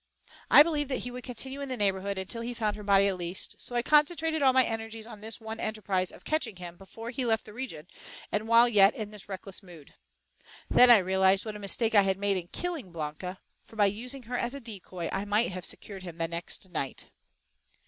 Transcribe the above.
I believed that he would continue in the neighborhood until he found her body at least, so I concentrated all my energies on this one enterprise of catching him before he left the region, and while yet in this reckless mood. Then I realized what a mistake I had made in killing Blanca, for by using her as a decoy I might have secured him the next night.